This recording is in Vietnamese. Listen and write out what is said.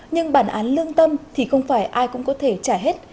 nhưng bản án lương tâm thì không phải ai cũng có thể trả hết